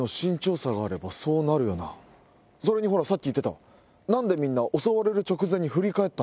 それにさっき言ってた。